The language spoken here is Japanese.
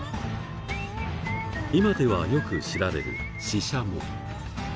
今ではよく知られるシシャモ。